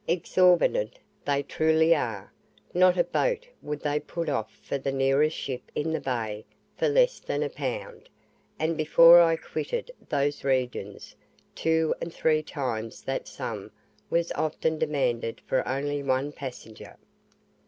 Exorbitant they truly are. Not a boat would they put off for the nearest ship in the bay for less than a pound, and before I quitted those regions, two and three times that sum was often demanded for only one passenger.